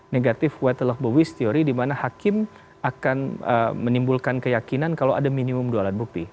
negatif teori di mana hakim akan menimbulkan keyakinan kalau ada minimum dua alat bukti